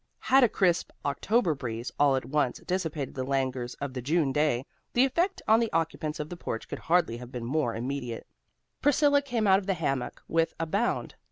Had a crisp October breeze all at once dissipated the languors of the June day, the effect on the occupants of the porch could hardly have been more immediate. Priscilla came out of the hammock with a bound.